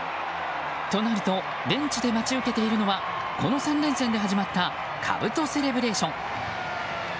となるとベンチで待ち受けているのはこの３連戦で始まったかぶとセレブレーション。